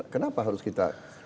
kenapa harus kita